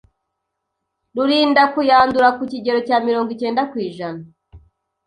rurinda kuyandura ku kigero cya mirongo icyenda kw’ijana